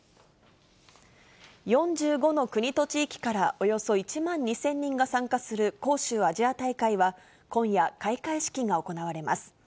４５の国と地域からおよそ１万２０００人が参加する杭州アジア大会は、今夜、開会式が行われます。